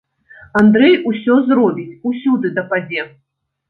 Андрэй усё зробіць, усюды дападзе.